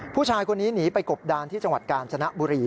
ผู้ชายคนนี้หนีไปกบดานที่จังหวัดกาญจนบุรี